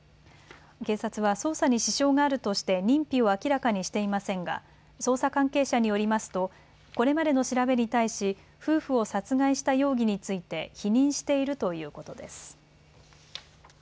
警察は捜査に支障があるとして認否を明らかにしていませんが捜査関係者によりますとこれまでの調べに対し夫婦を殺害した容疑について否認しているということです。